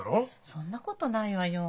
そんなことないわよ。